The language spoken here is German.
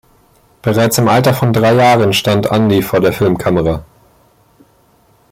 Bereits im Alter von drei Jahren stand „Andy“ vor der Filmkamera.